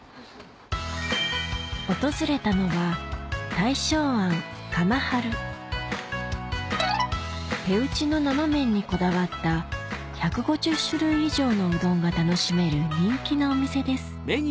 訪れたのは手打ちの生麺にこだわった１５０種類以上のうどんが楽しめる人気のお店です